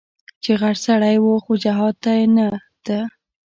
چې غټ سړى و خو جهاد ته نه ته.